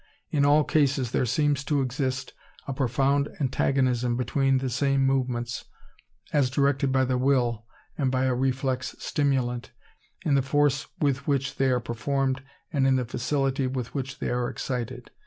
In all cases there seems to exist a profound antagonism between the same movements, as directed by the will and by a reflex stimulant, in the force with which they are performed and in the facility with which they are excited.